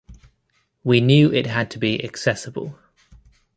We knew it had to be accessible.